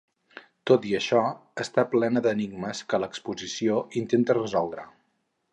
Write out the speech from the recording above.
Tot i això, està plena d’enigmes que l’exposició intenta resoldre.